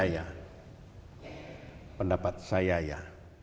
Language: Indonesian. ya pendapat saya ya